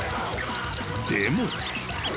［でも］